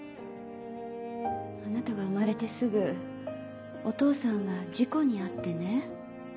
あなたが生まれてすぐお父さんが事故に遭ってね。